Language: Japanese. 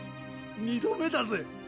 ２度目だぜ？